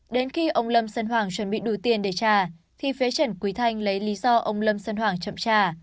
đến khi ông lâm sơn hoàng chuẩn bị đủ tiền để trả thì phía trần quý thanh lấy lý do ông lâm sơn hoàng chậm trả